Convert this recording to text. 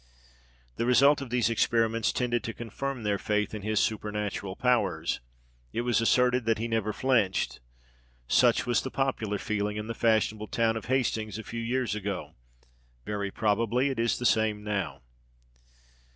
The result of these experiments tended to confirm their faith in his supernatural powers. It was asserted that he never flinched. Such was the popular feeling in the fashionable town of Hastings a few years ago; very probably it is the same now.